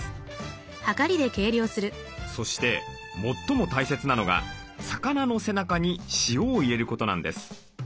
そして最も大切なのが魚の背中に塩を入れることなんです。